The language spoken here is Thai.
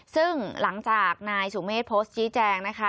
ซึ่งหลังจากนายสุเมฆโพสต์ชี้แจงนะคะ